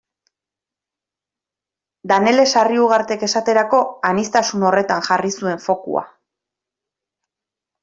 Danele Sarriugartek esaterako aniztasun horretan jarri zuen fokua.